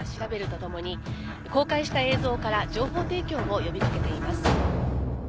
公開した映像から情報提供を呼び掛けています。